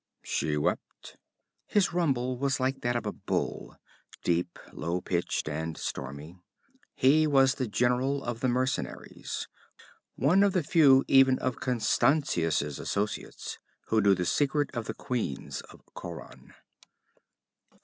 'She wept?' His rumble was like that of a bull, deep, low pitched and stormy. He was the general of the mercenaries, one of the few even of Constantius's associates who knew the secret of the queens of Khauran.